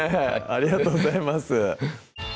ありがとうございます